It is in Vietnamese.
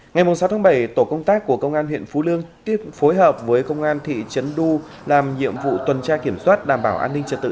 ngày sáu tháng bảy tổ công tác của công an huyện phú lương tiếp phối hợp với công an thị trấn du làm nhiệm vụ tuần tra kiểm soát đảm bảo an ninh trật tự